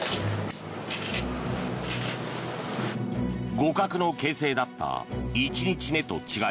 互角の形勢だった１日目と違い